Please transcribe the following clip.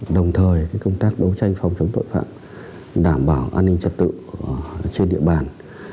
đồng thời công tác đấu tranh phòng chống tội phạm đảm bảo an ninh trật tự trên địa bàn